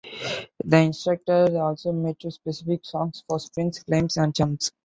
The instructor also may choose specific songs for sprints, climbs, and jumps.